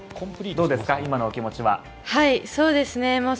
どうですか今の気持ちは？